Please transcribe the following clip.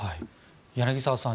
柳澤さん